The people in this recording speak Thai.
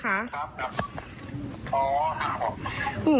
ครับครับอ๋อห่าว